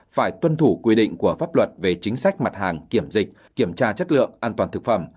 phải tuân thủ quy định của pháp luật về chính sách mặt hàng kiểm dịch kiểm tra chất lượng an toàn thực phẩm